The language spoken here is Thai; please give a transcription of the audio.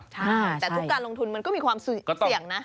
แต่ทุกการลงทุนมันก็มีความเสี่ยงนะ